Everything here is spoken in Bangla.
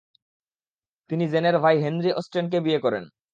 তিনি জেনের ভাই হেনরি অস্টেনকে বিয়ে করেন।